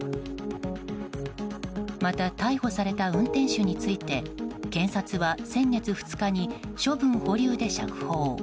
また、逮捕された運転手について検察は先月２日に処分保留で釈放。